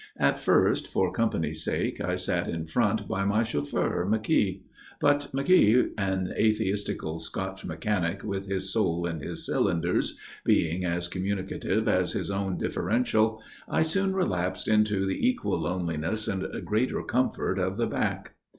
At first, for company's sake, I sat in front by my chauffeur, McKeogh. But McKeogh, an atheistical Scotch mechanic with his soul in his cylinders, being as communicative as his own differential, I soon relapsed into the equal loneliness and greater comfort of the back.